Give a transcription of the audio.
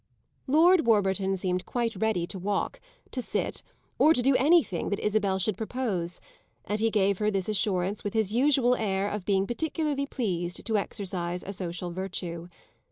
Lord Warburton seemed quite ready to walk, to sit or to do anything that Isabel should propose, and he gave her this assurance with his usual air of being particularly pleased to exercise a social virtue.